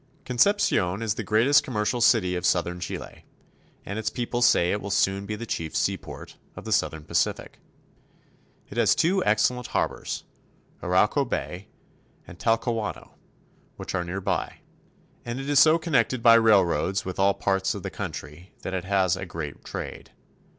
Concepcion is the greatest commercial city of southern Chile, and its people say it will soon be the chief seaport of the southern Pacific. It has two excellent harbors, Arauco Bay and Talcahuano (tal ka wah'no), which are near by, and it is so connected by railroads with all parts of the country that it has a great trade.